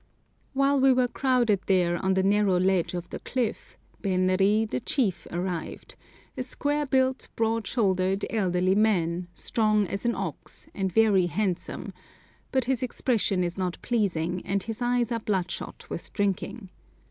While we were crowded there on the narrow ledge of the cliff, Benri, the chief, arrived—a square built, broad shouldered, elderly man, strong as an ox, and very handsome, but his expression is not pleasing, and his eyes are bloodshot with drinking.